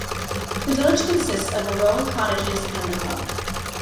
The village consists of a row of cottages and the pub.